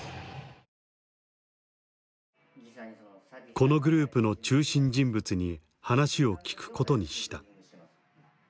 このグループの中心人物に話を聞くことにした。